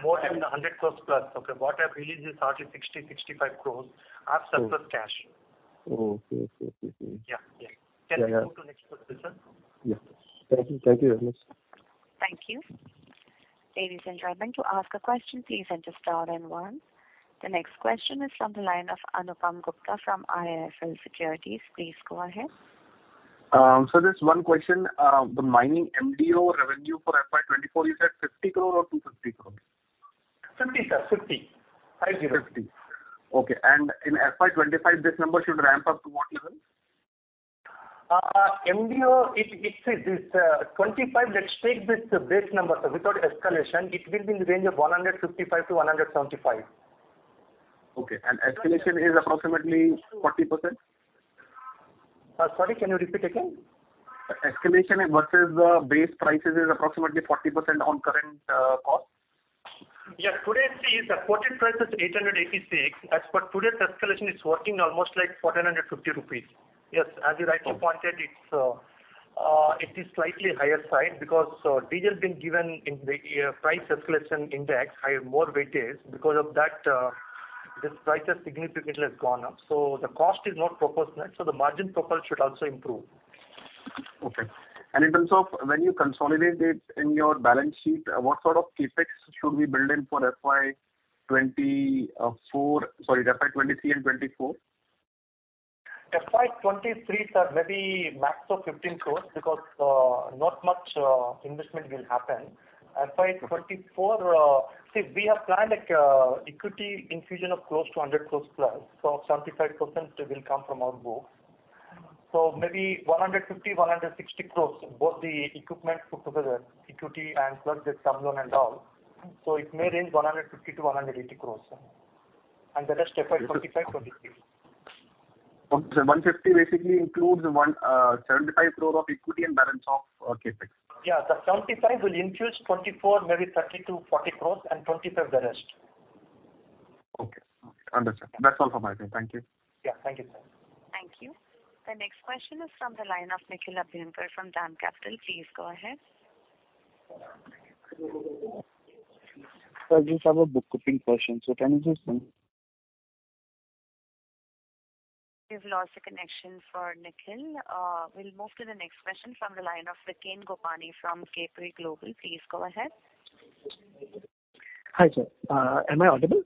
more than 100 crore plus, okay? What I have released is 30, 60, 65 crores are surplus cash. Oh, okay. Okay. Yeah, yeah. Can we go to next question, sir? Yes. Thank you, thank you very much. Thank you. Ladies and gentlemen, to ask a question, please enter star and one. The next question is from the line of Anupam Gupta from IIFL Securities. Please go ahead. So just one question, the mining MDO revenue for FY 2024, you said 50 crore or 250 crore? 50, sir. 50. 5, 0. 50. Okay, and in FY 2025, this number should ramp up to what level? MDO, it is 25, let's take this base number, sir, without escalation, it will be in the range of 155-175. Okay, and escalation is approximately 40%? Sorry, can you repeat again? Escalation versus base prices is approximately 40% on current cost. Yes. Today, see, the quoted price is 886. As per today's escalation, it's working almost like 450 rupees. Yes, as you rightly pointed, it's, it is slightly higher side, because, diesel being given in the, price escalation index, higher, more weightage. Because of that, this price has significantly gone up. So the cost is not proportionate, so the margin profile should also improve. Okay. In terms of when you consolidate it in your balance sheet, what sort of CapEx should we build in for FY 2023 and 2024? FY 2023, sir, maybe max of 15 crore, because, not much, investment will happen. FY 2024, see, we have planned, like, equity infusion of close to 100 crore+. So 75% will come from our board. So maybe 150 crore, 160 crore, both the equipment put together, equity and plus the term loan and all. So it may range 150 crore-180 crore, sir. And the rest, FY 2025, 2023. 150 crore basically includes 175 crore of equity and balance of CapEx? Yeah, the 75 crore will include 24 crore, maybe 30 crore-40 crores, and 25 crore, the rest. Okay. Understood. That's all from my end. Thank you. Yeah, thank you, sir. Thank you. The next question is from the line of Nikhil Abhinand from DAM Capital. Please go ahead. Sir, I just have a bookkeeping question, so can you just send- We've lost the connection for Nikhil. We'll move to the next question from the line of Riken Gopani from Capri Global. Please go ahead. Hi, sir. Am I audible?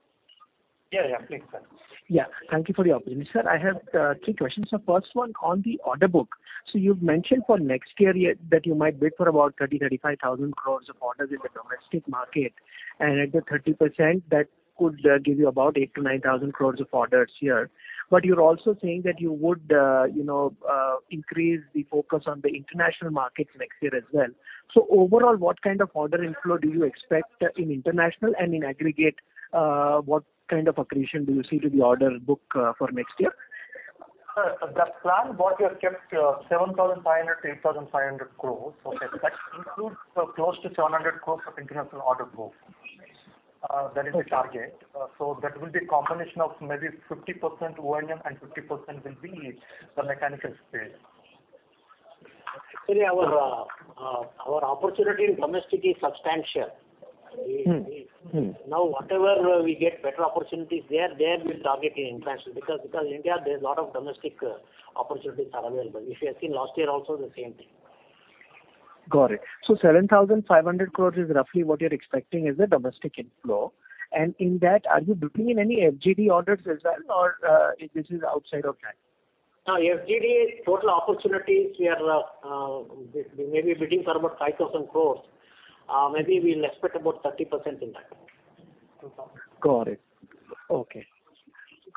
Yeah, yeah. Please, sir. Yeah, thank you for your opinion. Sir, I have three questions. So first one, on the order book. So you've mentioned for next year, yeah, that you might bid for about 30,000 crore-35,000 crore of orders in the domestic market, and at the 30%, that could give you about 8,000 crore-9,000 crore of orders here. But you're also saying that you would, you know, increase the focus on the international markets next year as well. So overall, what kind of order inflow do you expect in international and in aggregate, what kind of accretion do you see to the order book, for next year? Sir, the plan what we have kept, 7,500 crore-8,500 crore. Okay. That includes close to 700 crore of international order book. That is the target. Okay. So that will be a combination of maybe 50% O&M and 50% will be the mechanical space. Actually, our opportunity in domestic is substantial. Mm-hmm. Mm-hmm. Now, whatever we get better opportunities there, there we'll target in international, because India, there's a lot of domestic opportunities are available. If you have seen last year also, the same thing. Got it. So 7,500 crore is roughly what you're expecting as a domestic inflow. And in that, are you bidding in any FGD orders as well, or, this is outside of that? FGD total opportunities, we are, maybe bidding for about 5,000 crore. Maybe we'll expect about 30% in that. Got it. Okay.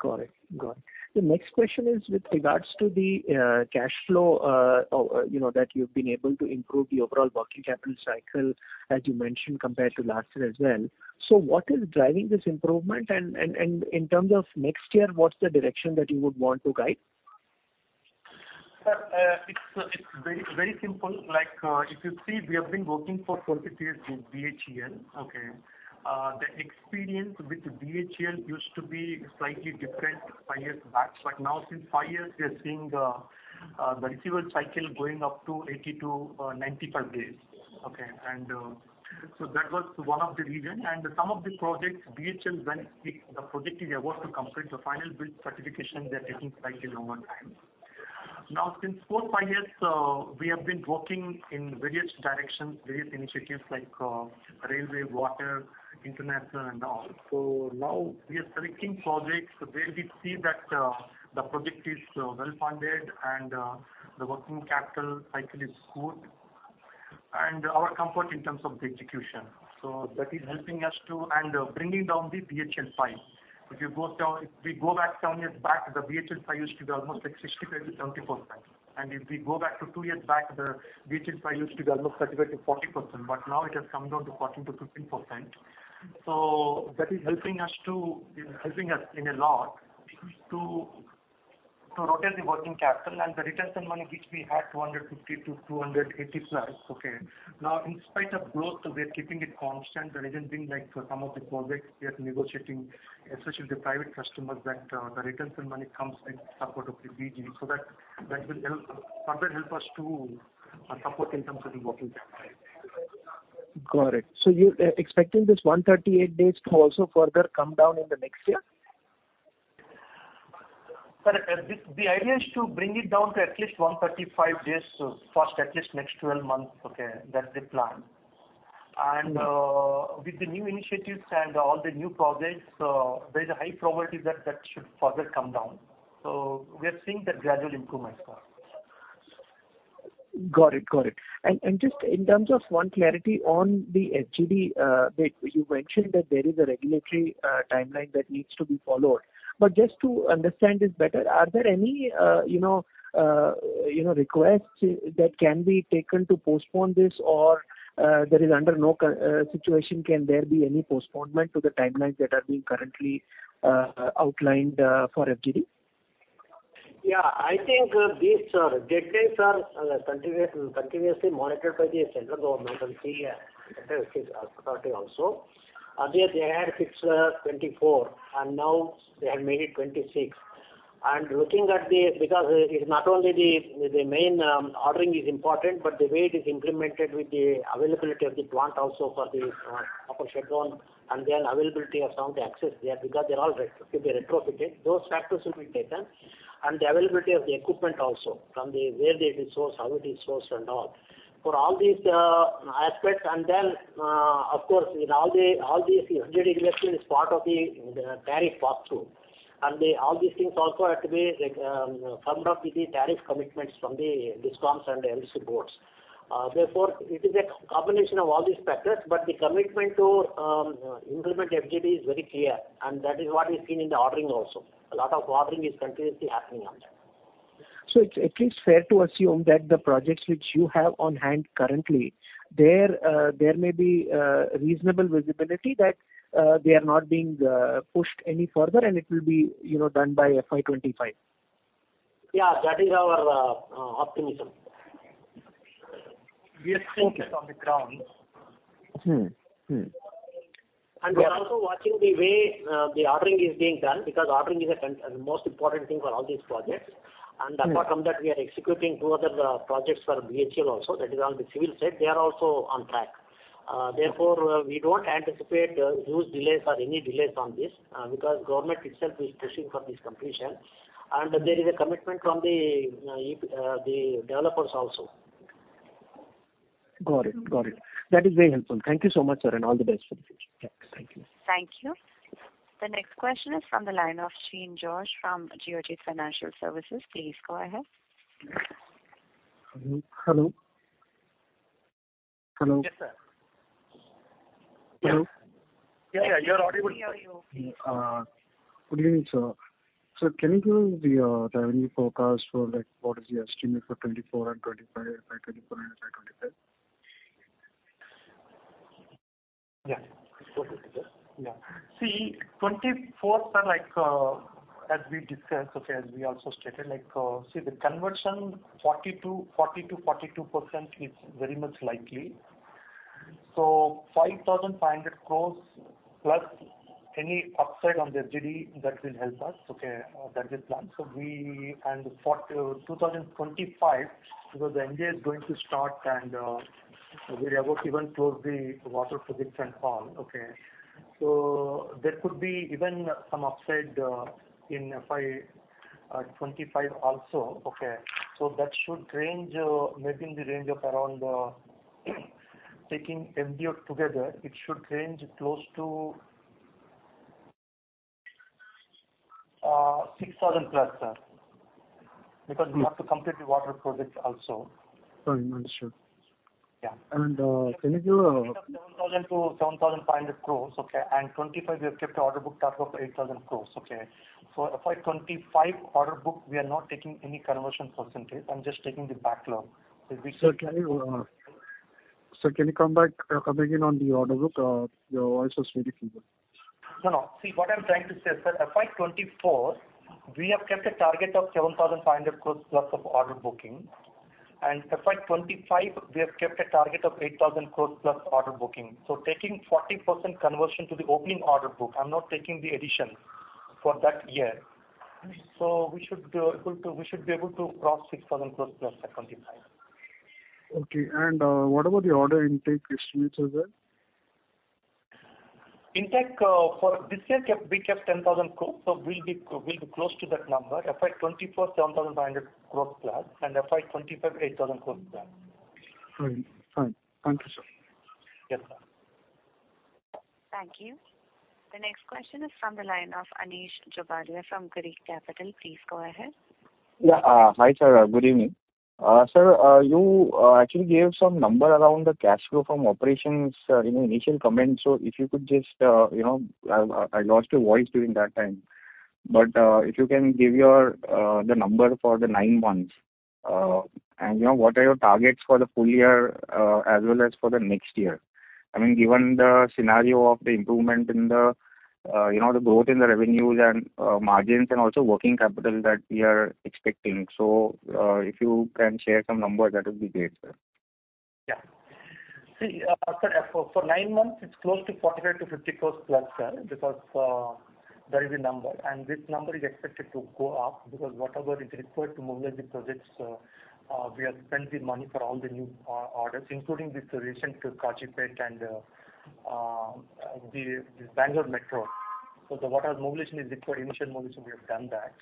Got it. Got it. The next question is with regards to the cash flow, or, you know, that you've been able to improve the overall working capital cycle, as you mentioned, compared to last year as well. So what is driving this improvement? And in terms of next year, what's the direction that you would want to guide? Sir, it's, it's very, very simple. Like, if you see, we have been working for 20 years with BHEL, okay. The experience with BHEL used to be slightly different five years back. But now, since five years, we are seeing, the receivable cycle going up to 80-95 days. Okay. And, so that was one of the reason. And some of the projects BHEL, when the project is about to complete, the final bill certification, they're taking slightly longer time. Now, since four, five years, we have been working in various directions, various initiatives like, railway, water, international and all. So now we are selecting projects where we see that, the project is, well-funded and, the working capital cycle is good, and our comfort in terms of the execution. So that is helping us to handle, bringing down the BHEL file. If we go back 10 years back, the BHEL file used to be almost like 60%-70%. And if we go back to 2 years back, the BHEL file used to be almost 30%-40%, but now it has come down to 14%-15%. So that is helping us to- is helping us in a lot to, to rotate the working capital and the retention money, which we had 250-280+, okay. Now, in spite of growth, we are keeping it constant. The reason being, like some of the projects we are negotiating, especially the private customers, that, the retention money comes in support of the BG. That will help, further help us to support in terms of the working capital. Got it. So you're expecting this 138 days to also further come down in the next year? Sir, the idea is to bring it down to at least 135 days, so first, at least next 12 months, okay? That's the plan. With the new initiatives and all the new projects, there's a high probability that that should further come down. We are seeing that gradual improvement, sir. Got it. Got it. And just in terms of one clarity on the FGD bit, you mentioned that there is a regulatory timeline that needs to be followed. But just to understand this better, are there any, you know, requests that can be taken to postpone this, or under no circumstance can there be any postponement to the timelines that are being currently outlined for FGD? Yeah, I think, these deadlines are continuously monitored by the central government and the authority also. Earlier, they had fixed 24, and now they have made it 26. And looking at the... Because it's not only the main ordering is important, but the way it is implemented with the availability of the plant also for the upper schedule and then availability of some of the access there, because they're all retro- to be retrofitted. Those factors will be taken, and the availability of the equipment also, from the where they resource, how it is sourced and all. For all these aspects, and then of course, in all the all these FGD regulation is part of the tariff pass-through. And all these things also have to be, like, confirmed with the tariff commitments from the DISCOMs and the [SEB boards. Therefore, it is a combination of all these factors, but the commitment to implement FGD is very clear, and that is what is seen in the ordering also. A lot of ordering is continuously happening on that. It's at least fair to assume that the projects which you have on hand currently, there may be reasonable visibility that they are not being pushed any further, and it will be, you know, done by FY 25. Yeah, that is our optimism. We are focused on the grounds. Mm-hmm. Mm-hmm. We are also watching the way the ordering is being done, because ordering is the most important thing for all these projects. Apart from that, we are executing two other projects for BHEL also. That is on the civil side. They are also on track. Therefore, we don't anticipate huge delays or any delays on this, because government itself is pushing for this completion, and there is a commitment from the the developers also. Got it. Got it. That is very helpful. Thank you so much, sir, and all the best for the future. Thank you. Thank you. The next question is from the line of Sheen George from Geojit Financial Services. Please go ahead. Hello? Hello. Yes, sir. Hello? Yeah, yeah, you're audible. Yeah, you're okay. Good evening, sir. Sir, can you give the revenue forecast for, like, what is the estimate for '24 and '25, FY 2024 and FY 2025? Yeah. Yeah. See, 24, sir, like, as we discussed, okay, as we also stated, like, see the conversion, 40% to, 40% to 42% is very much likely. So 5,500 crore plus any upside on the FGD, that will help us, okay? That is the plan. For 2025, because the MDA is going to start and we are about to even close the water projects and all, okay? So there could be even some upside in FY 2025 also, okay? So that should range maybe in the range of around taking MBO together, it should range close to 6,000 crores+, sir, because we have to complete the water projects also. Fine. Understood. Yeah. And, can you give, 7,000 crore-7,500 crore, okay? And 2025, we have kept the order book target of 8,000 crore, okay? So for FY 25 order book, we are not taking any conversion percentage. I'm just taking the backlog. Sir, can you come back again on the order book? Your voice was very feeble. No, no. See, what I'm trying to say, sir, FY 2024, we have kept a target of 7,500 crore+ of order booking, and FY 2025, we have kept a target of 8,000 crore+ order booking. So taking 40% conversion to the opening order book, I'm not taking the addition for that year. Mm-hmm. So we should be able to, we should be able to cross 6,000 crore+ at 2025. Okay. And, what about the order intake estimates as well? Intake for this year, we kept 10,000 crore, so we'll be close to that number. FY 2024, 7,500 crore+, and FY 2025, 8,000 crore+. Fine. Fine. Thank you, sir. Yes, sir. Thank you. The next question is from the line of Anish Jobalia from Girik Capital. Please go ahead. Yeah. Hi, sir, good evening. Sir, you actually gave some number around the cash flow from operations in your initial comments. So if you could just, you know, I lost your voice during that time. But if you can give your the number for the nine months, and you know, what are your targets for the full year, as well as for the next year? I mean, given the scenario of the improvement in the, you know, the growth in the revenues and margins and also working capital that we are expecting. So if you can share some numbers, that would be great, sir. Yeah. See, sir, for nine months, it's close to 48 crore-50 crores+, sir, because... There is a number, and this number is expected to go up, because whatever is required to mobilize the projects, we have spent the money for all the new orders, including the recent Kacheguda and the Bangalore Metro. So the whatever mobilization is required, initial mobilization, we have done that.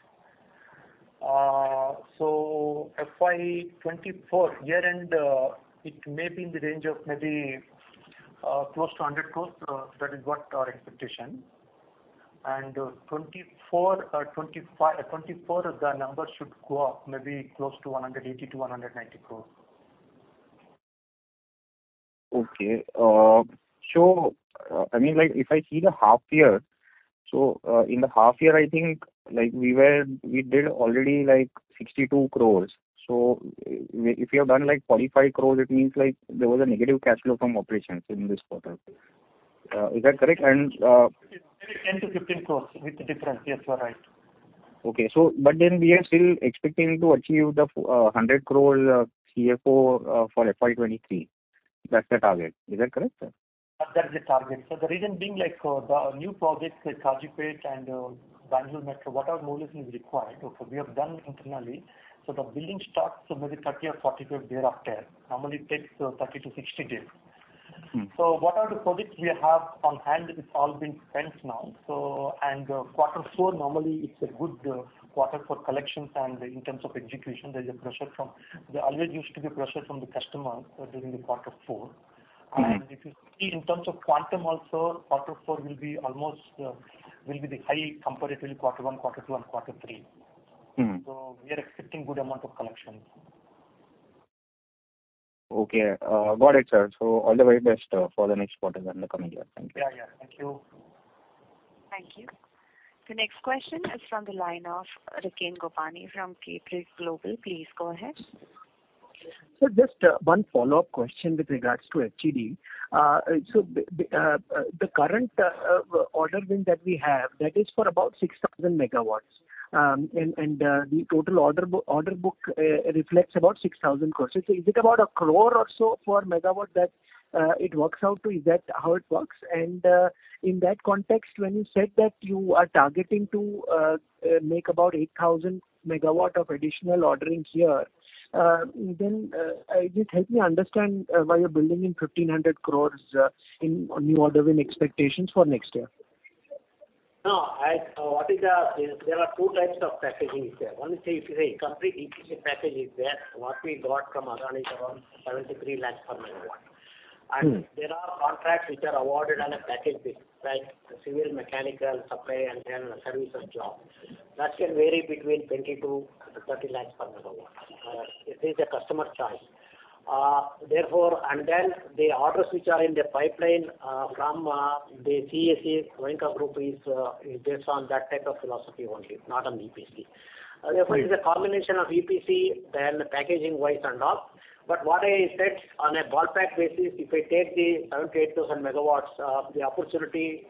So FY 2024 year-end, it may be in the range of maybe close to 100 crores. That is what our expectation. And 2024, 2025-- 2024, the number should go up, maybe close to 180 crore-190 crores. Okay, so, I mean, like, if I see the half year, so, in the half year, I think, like, we were, we did already, like, 62 crores. So if you have done, like, 45 crores, it means, like, there was a negative cash flow from operations in this quarter. Is that correct? And, It's maybe 10 crore-15 crore with the difference. Yes, you are right. Okay. So but then we are still expecting to achieve the 100 crore, CFO, for FY 2023. That's the target. Is that correct, sir? That's the target. So the reason being, like, the new projects, like Kacheguda and Bangalore Metro, whatever mobilization is required, okay, we have done internally. So the building starts, so maybe 30 or 45 thereafter. Normally, it takes 30 to 60 days. Mm. So what are the projects we have on hand? It's all been spent now. Quarter four normally is a good quarter for collections, and in terms of execution, there's pressure from... There always used to be pressure from the customer during quarter four. Mm-hmm. If you see in terms of quantum also, quarter four will be almost the high comparatively quarter one, quarter two, and quarter three. Mm. We are expecting good amount of collection. Okay. Got it, sir. So all the very best for the next quarter and the coming year. Thank you. Yeah, yeah. Thank you. Thank you. The next question is from the line of Riken Gopani from Capri Global. Please go ahead. Just one follow-up question with regards to FGD. The current order win that we have, that is for about 6,000 MW. The total order book reflects about 6,000 crore. Is it about a crore or so per megawatt that it works out to? Is that how it works? In that context, when you said that you are targeting to make about 8,000 MW of additional orderings here, just help me understand why you're building in 1,500 crore in new order win expectations for next year. No, what is the... There are two types of packaging is there. One is, say, if you say, complete EPC package is there, what we got from Adani is around 73 lakh per megawatt. Mm. And there are contracts which are awarded on a package basis, like civil, mechanical, supply, and then service and job. That can vary between 20 crore-30 lakhs per megawatt. It is a customer choice. Therefore, and then the orders which are in the pipeline from the CESC, Rungta Group, is based on that type of philosophy only, not on EPC. Mm. Therefore, it is a combination of EPC, then packaging-wise and all. But what I said, on a ballpark basis, if I take the 78,000 MW, the opportunity,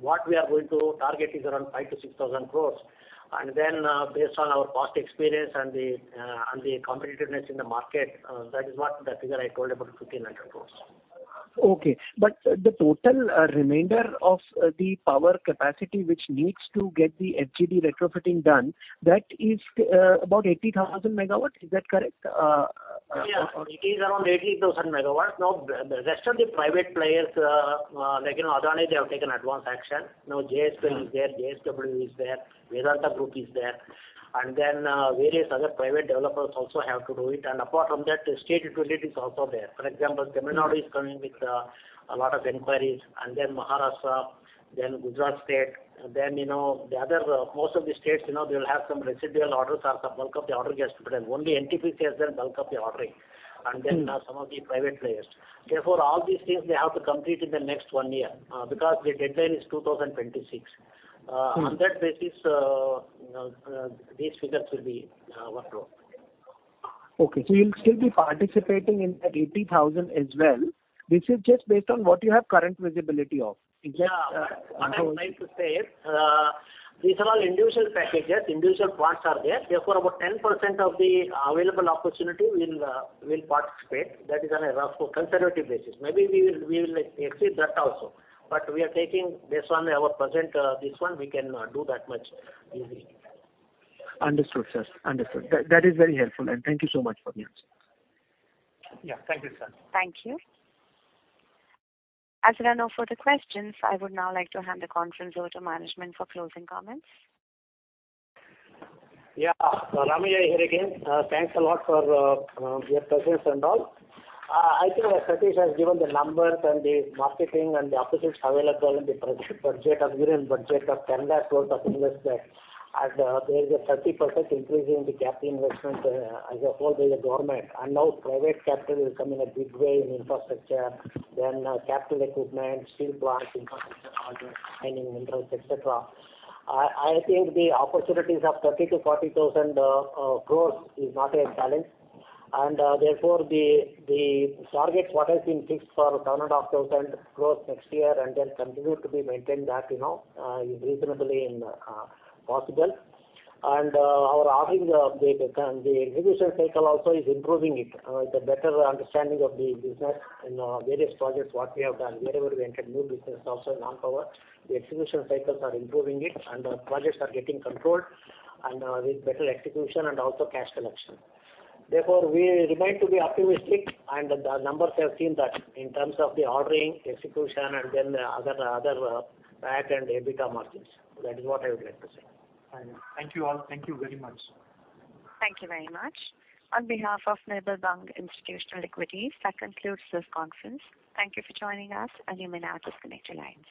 what we are going to target is around 5,000 crore-6,000 crore. And then, based on our past experience and the competitiveness in the market, that is what the figure I told about 1,500 crore. Okay. But the total remainder of the power capacity, which needs to get the FGD retrofitting done, that is about 80,000 MW. Is that correct? Yeah, it is around 80,000 MW. Now, the rest of the private players, like, you know, Adani, they have taken advance action. Now, JSP is there, JSW is there, Vedanta Group is there, and then, various other private developers also have to do it. And apart from that, the state utility is also there. For example, Tamnar is coming with, a lot of inquiries, and then Maharashtra, then Gujarat State, then, you know, the other, most of the states, you know, they will have some residual orders or some bulk of the order gets put in. Only NTPC has the bulk of the ordering- Mm. and then, some of the private players. Therefore, all these things they have to complete in the next one year, because the deadline is 2026. Mm. On that basis, you know, these figures will be worked out. Okay. So you'll still be participating in that 80,000 crore as well. This is just based on what you have current visibility of? Yeah. So- What I would like to say is, these are all individual packages, individual parts are there. Therefore, about 10% of the available opportunity we'll participate. That is on a rough conservative basis. Maybe we will exceed that also. But we are taking based on our present, this one, we can do that much easily. Understood, sir. Understood. That, that is very helpful, and thank you so much for the answer. Yeah. Thank you, sir. Thank you. As there are no further questions, I would now like to hand the conference over to management for closing comments. Yeah, Ramey, I hear again. Thanks a lot for your presence and all. I think Satish has given the numbers and the marketing and the opportunities available in the project, budget, and budget of 1,000,000 crore of investment. There is a 30% increase in the capital investment as a whole by the government. Now private capital will come in a big way in infrastructure, then capital equipment, steel plants, infrastructure, mining, minerals, et cetera. I think the opportunities of 30,000 crore-40,000 crore is not a challenge. Therefore, the targets what has been fixed for 10,500 crore next year, and then continue to be maintained, you know, is reasonably and possible. Our ordering and the execution cycle also is improving it. The better understanding of the business in various projects, what we have done, wherever we entered new business, also non-power, the execution cycles are improving it, and the projects are getting controlled, and with better execution and also cash collection. Therefore, we remain to be optimistic, and the numbers have seen that in terms of the ordering, execution, and then other, other back and EBITDA margins. That is what I would like to say. Thank you all. Thank you very much. Thank you very much. On behalf of Nirmal Bang Institutional Equities, that concludes this conference. Thank you for joining us, and you may now disconnect your lines.